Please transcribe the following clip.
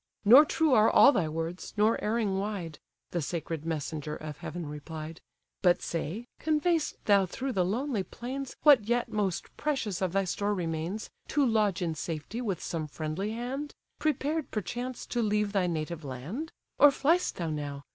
"Nor true are all thy words, nor erring wide; (The sacred messenger of heaven replied;) But say, convey'st thou through the lonely plains What yet most precious of thy store remains, To lodge in safety with some friendly hand: Prepared, perchance, to leave thy native land? Or fliest thou now?